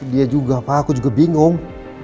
dia juga pak aku juga bingung